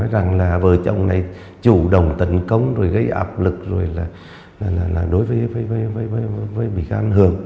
rằng là vợ chồng này chủ động tấn công rồi gây áp lực rồi là đối với bị can hường